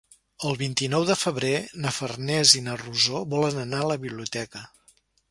El vint-i-nou de febrer na Farners i na Rosó volen anar a la biblioteca.